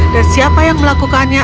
dan siapa yang melakukannya